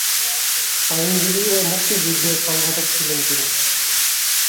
আইনজীবী ও মুক্তিযুদ্ধের সংগঠক ছিলেন তিনি।